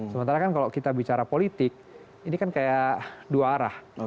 sementara kan kalau kita bicara politik ini kan kayak dua arah